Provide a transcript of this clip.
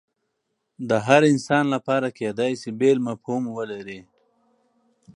د هر انسان لپاره کیدای شي بیل مفهوم ولري